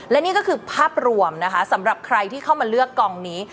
และนี่ก็คือภาพรวมนะคะสำหรับใครที่เข้ามาเลือกกองนี้